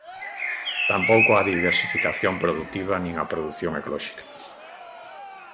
Tampouco á diversificación produtiva nin á produción ecolóxica.